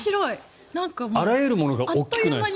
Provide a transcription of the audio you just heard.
あらゆるものが大きくないですか？